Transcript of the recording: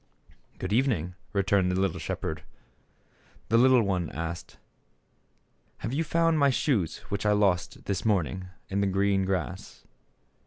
"Good evening," returned the little shep herd. The little one asked, "Have you found my shoes which I lost, this morning, in the green grass